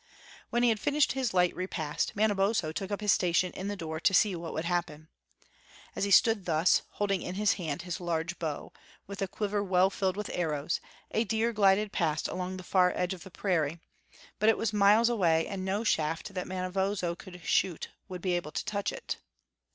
When he had finished his light repast, Manabozho took up his station in the door to see what would happen. As he stood thus, holding in his hand his large bow, with a quiver well filled with arrows, a deer glided past along the far edge of the prairie; but it was miles away, and no shaft that Manabozho could shoot would be able to touch it.